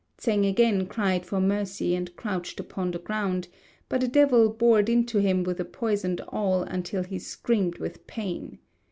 Tsêng again cried for mercy and crouched upon the ground; but a devil bored into him with a poisoned awl until he screamed with pain.